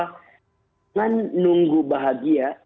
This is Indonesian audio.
jangan nunggu bahagia